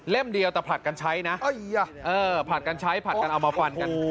เดียวแต่ผลัดกันใช้นะผลัดกันใช้ผลัดกันเอามาฟันกัน